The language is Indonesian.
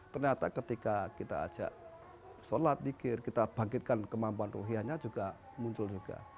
ternyata ketika kita ajak sholat zikir kita bangkitkan kemampuan ruhiyahnya juga muncul juga